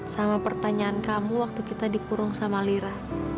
sama pertanyaan kamu waktu kita dikurung sama lira